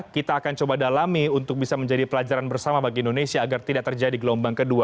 kita akan coba dalami untuk bisa menjadi pelajaran bersama bagi indonesia agar tidak terjadi gelombang kedua